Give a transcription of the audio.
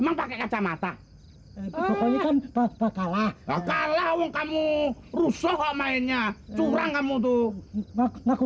memang pakai kacamata pokoknya kan pak kalah kalau kamu rusuh mainnya curang kamu tuh ngaku